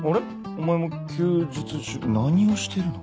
お前も休日出勤何をしてるの？